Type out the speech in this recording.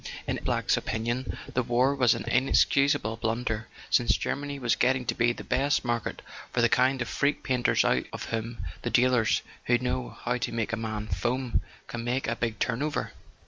In M. Black's opinion the war was an inexcusable blunder, since Germany was getting to be the best market for the kind of freak painters out of whom the dealers who "know how to make a man 'foam' " can make a big turn over.